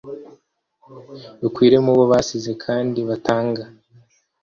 rukwire mubo basize kandi batanga